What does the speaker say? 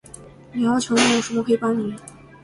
您好，请问有什么可以帮您？